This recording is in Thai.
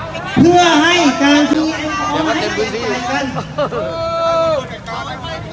เพื่อให้การที่ออกมาให้กัน